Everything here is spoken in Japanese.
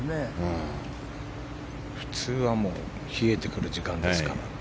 普通は冷えてくる時間ですから。